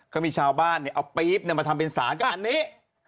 ก็มีชาวบ้านเอาปี๊บมาทำเป็นสารกันอันนี้